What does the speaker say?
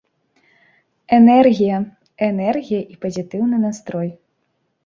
Энергія, энергія і пазітыўны настрой.